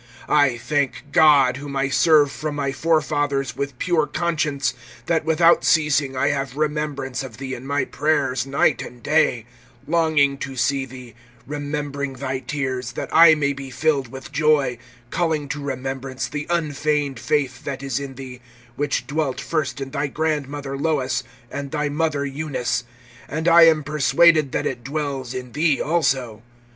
(3)I thank God, whom I serve from my forefathers with pure conscience, that without ceasing I have remembrance of thee in my prayers night and day; (4)longing to see thee, remembering thy tears, that I may be filled with joy; (5)calling to remembrance the unfeigned faith that is in thee, which dwelt first in thy grandmother Lois, and thy mother Eunice; and I am persuaded that it dwells in thee also.